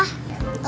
tuh baik baik aja